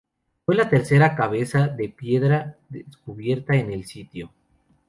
Fue la tercera cabeza de piedra descubierta en el sitio.